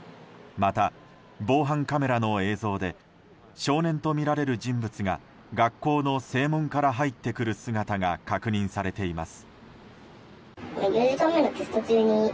また、防犯カメラの映像で少年とみられる人物が学校の正門から入ってくる姿が確認されています。